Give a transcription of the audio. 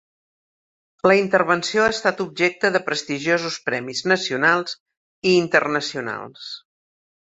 La intervenció ha estat objecte de prestigiosos premis nacionals i internacionals.